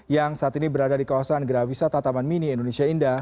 yang saat ini berada di kawasan geraha wisata taman mini indonesia indah